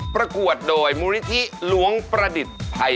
ประกวดโดยมูลนิธิหลวงประดิษฐ์ภัย